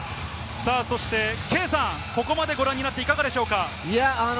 そして圭さん、ここまでご覧になっていかがですか？